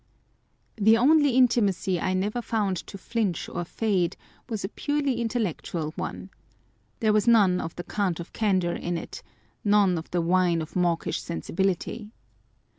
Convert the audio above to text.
The only intimacy I never found to flinch or fade was a purely intellectual one. There was none of the cant of candour in it, none of the whine of mawkish sensibility.